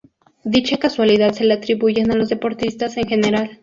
Dicha cualidad se le atribuyen a los deportistas en general.